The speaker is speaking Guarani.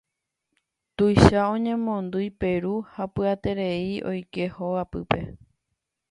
Tuicha oñemondýi Peru ha pya'eterei oike hogapýpe.